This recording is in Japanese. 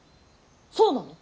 そうなの？